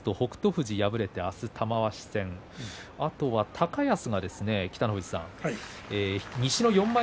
富士に敗れて、明日玉鷲戦あとは高安が、北の富士さん